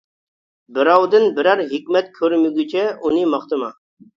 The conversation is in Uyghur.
بىراۋدىن بىرەر ھېكمەت كۆرمىگۈچە ئۇنى ماختىما!